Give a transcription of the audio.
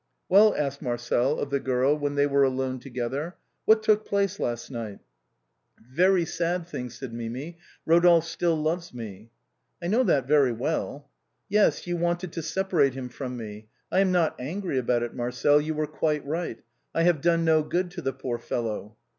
" Well," asked Marcel of the girl when they were alone together, " what took place last night ?"" Very sad things," said Mimi. "Eodolphe still loves me." " I know that very well." " Yes, you wanted to separate him from me. I am not angry about it. Marcel, you were quite right, I have done no good to the poor fellow."